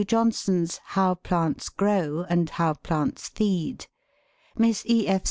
Johnson's "How Plants Grow," and " How Plants Feed;" Miss E. F.